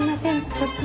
突然。